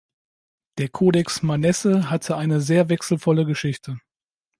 Der Codex Manesse hatte eine sehr wechselvolle Geschichte.